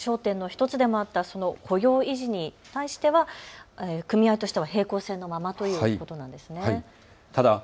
焦点の１つでもあった雇用維持に対しては組合としては平行線のままということなんですね。